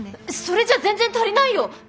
それじゃ全然足りないよ。